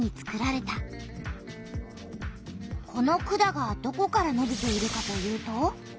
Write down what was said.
この管がどこからのびているかというと。